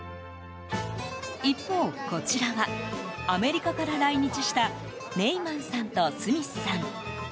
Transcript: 一方、こちらはアメリカから来日したネイマンさんとスミスさん。